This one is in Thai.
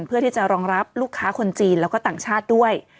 เพื่อที่จะรองรับลูกค้าคนจีนแล้วก็ต่างชาติด้วย